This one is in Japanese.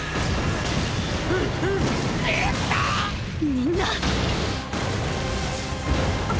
みんな。